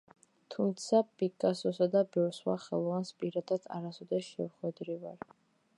თუმცა პიკასოსა და ბევრ სხვა ხელოვანს პირადად არასოდეს შევხვედრივარ.